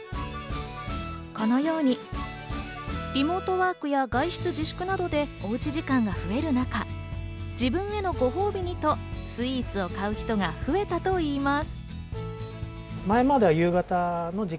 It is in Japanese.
このようにリモートワークや外出自粛などでおうち時間が増える中、自分へのご褒美にとスイーツを買う人が増えたといいます。